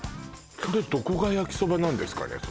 それどこが焼きそばなんですかね